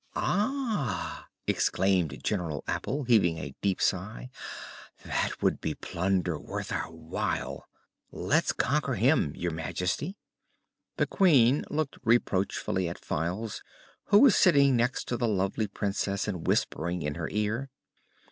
"Ah!" exclaimed General Apple, heaving a deep sigh, "that would be plunder worth our while. Let's conquer him, Your Majesty." The Queen looked reproachfully at Files, who was sitting next to the lovely Princess and whispering in her ear.